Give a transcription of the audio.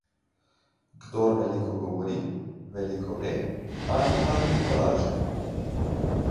Kdor veliko govori, veliko ve ali pa veliko laže.